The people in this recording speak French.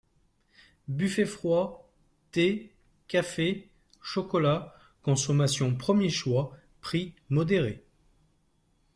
Buffet froid, thé, café, chocolat, consommation premier choix, prix modéré.